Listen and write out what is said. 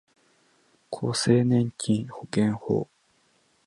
厚生年金保険法